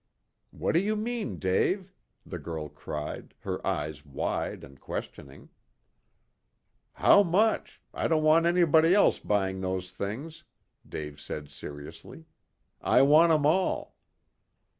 "What do you mean, Dave?" the girl cried, her eyes wide and questioning. "How much? I don't want anybody else buying those things," Dave said seriously. "I want 'em all."